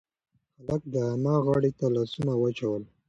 هلک د انا غاړې ته لاسونه واچول.